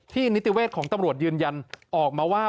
นิติเวชของตำรวจยืนยันออกมาว่า